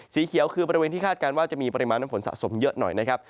สีเขียวคือบริเวณที่คาดการณ์ว่าจะมีปริมาณน้ำฝนสะสมเยอะหน่อยนะครับ